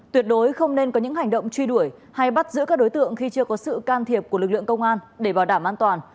tuyệt đối không nên có những hành động truy đuổi hay bắt giữ các đối tượng khi chưa có sự can thiệp của lực lượng công an để bảo đảm an toàn